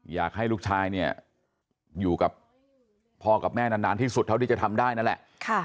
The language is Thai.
อยากให้ลูกชายเนี่ยอยู่กับพ่อกับแม่นานที่สุดเท่าที่จะทำได้นั่นแหละ